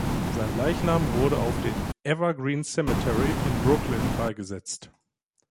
Sein Leichnam wurde auf dem "Evergreens Cemetery" in Brooklyn beigesetzt.